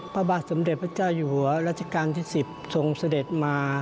พระบาทสมเด็จพระเจ้าอยู่หัวรัชกาลที่๑๐ทรงเสด็จมา